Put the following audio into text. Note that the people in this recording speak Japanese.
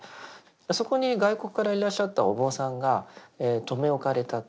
そこに外国からいらっしゃったお坊さんが留め置かれたと。